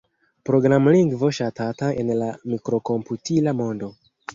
Programlingvo ŝatata en la mikrokomputila mondo.